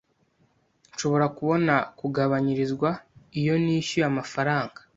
Nshobora kubona kugabanyirizwa iyo nishyuye amafaranga?